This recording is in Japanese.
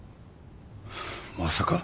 まさか。